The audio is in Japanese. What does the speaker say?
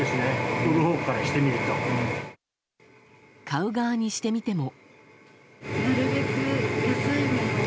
買う側にしてみても。